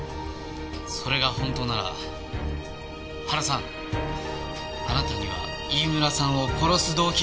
それが本当なら原さんあなたには飯村さんを殺す動機がありますね。